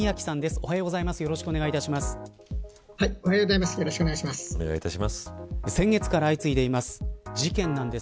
おはようございます。